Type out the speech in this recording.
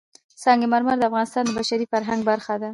سنگ مرمر د افغانستان د بشري فرهنګ برخه ده.